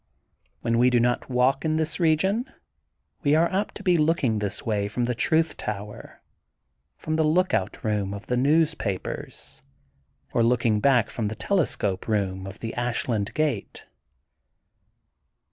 When we do not walk in this region we are apt to be looking this way from the Truth Tower, from the lookout room of the news papers, or looking back from the telescope room of the Ashland Gate.